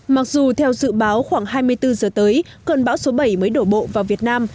mặc dù theo dự báo khoảng hai mươi bốn giờ tới cơn bão số bảy mới đổ bộ vào việt nam